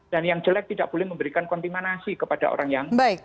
dan yang jelek tidak boleh memberikan kontimanasi kepada orang yang baik